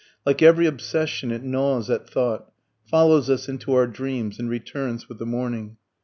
Like every obsession, it gnaws at thought, follows us into our dreams and returns with the morning.